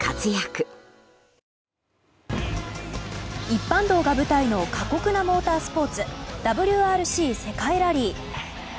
一般道が舞台の過酷なモータースポーツＷＲＣ世界ラリー。